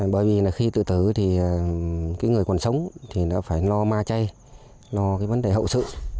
bởi vì là khi tự tử thì cái người còn sống thì nó phải lo ma chay lo cái vấn đề hậu sự